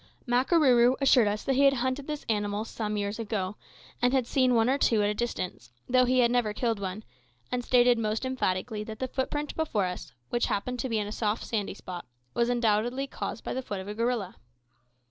Makarooroo assured us that he had hunted this animal some years ago, and had seen one or two at a distance, though he had never killed one, and stated most emphatically that the footprint before us, which happened to be in a soft sandy spot, was undoubtedly caused by the foot of a gorilla.